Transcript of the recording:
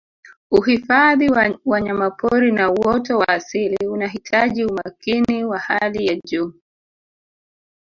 Uhifadhi wa wanyapori na uoto wa asili unahitaji umakini wa hali ya juu